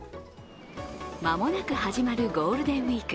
間もなく始まるゴールデンウイーク。